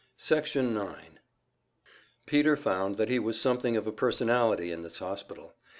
Section 9 Peter found that he was something of a personality in this hospital.